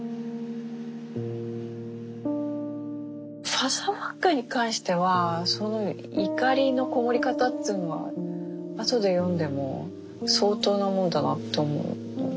「ファザーファッカー」に関してはその怒りのこもり方っつうのは後で読んでも相当なもんだなと思う。